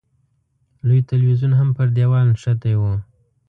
لوی تلویزیون هم پر دېوال نښتی و.